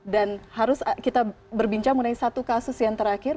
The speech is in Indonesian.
dan harus kita berbincang mengenai satu kasus yang terakhir